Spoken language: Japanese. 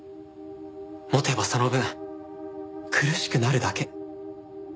持てばその分苦しくなるだけ。